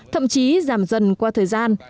thậm chí giảm dần qua thời gian